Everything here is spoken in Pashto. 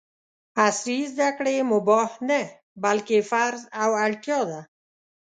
عصري زده کړې مباح نه ، بلکې فرض او اړتیا ده!